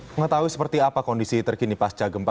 mengetahui seperti apa kondisi terkini pasca gempa